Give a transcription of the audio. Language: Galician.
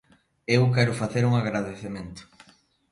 Eu quero facer un agradecemento.